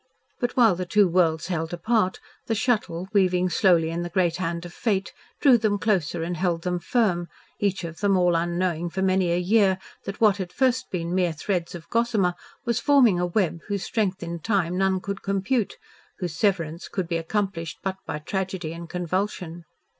But while the two worlds held apart, the Shuttle, weaving slowly in the great hand of Fate, drew them closer and held them firm, each of them all unknowing for many a year, that what had at first been mere threads of gossamer, was forming a web whose strength in time none could compute, whose severance could be accomplished but by tragedy and convulsion.